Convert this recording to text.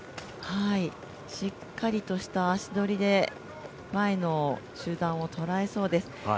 しっかりとした足取りで前の集団を捉えそうです。